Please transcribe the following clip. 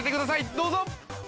どうぞ！